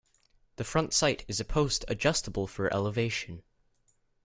The front sight is a post adjustable for elevation.